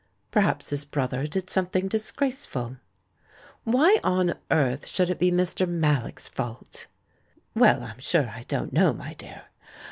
Perhaps his brother did something disgraceful." "Why on earth should it be Mr. JMallock's fault?" "Well, I'm sure I don't know, my dear.